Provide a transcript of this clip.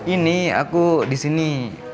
ini aku di sini